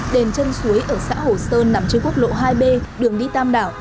đền chân suối ở xã hồ sơn nằm trên quốc lộ hai b đường đi tam đảo